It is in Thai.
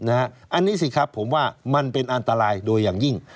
อันนี้สิครับผมว่ามันเป็นอันตรายโดยอย่างยิ่ง